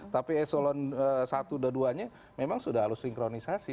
tapi eselon i dan dua nya memang sudah harus sinkronisasi